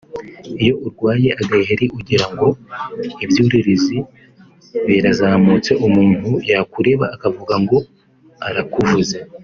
iyo urwaye agaheri ugira ngo ibyuririzi birazamutse… Umuntu yakureba akavuga ngo arakuvuze